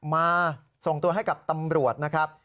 มาส่งตัวให้กับตำรวจนะครับ